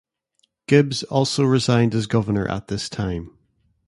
Gibbs also resigned as Governor at this time.